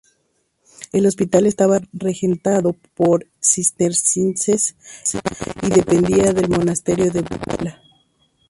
El hospital estaba regentado por cistercienses y dependía del Monasterio de Veruela.